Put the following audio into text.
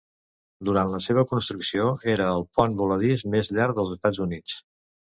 Durant la seva construcció, era el pont voladís més llarg dels Estats Units.